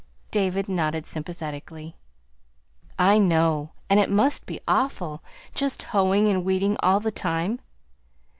David nodded sympathetically. "I know and it must be awful, just hoeing and weeding all the time."